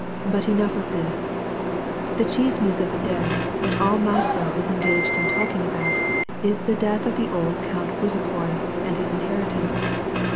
But enough of this ! "The chief news of the day, which all Moscow is engaged in talking about, is the death of the old Count Bezukhoi and his inheritance.